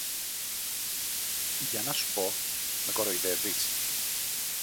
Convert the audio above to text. Για να σου πω, με κοροϊδεύεις;